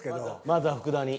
まずは福田に。